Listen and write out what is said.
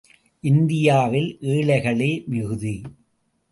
இந்தியாவில் ஏழைகளே மிகுதி.